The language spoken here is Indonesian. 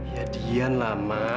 ya dian lama